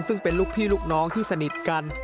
ซึ่งเป็นลูกพี่ลูกน้องที่สนิทกัน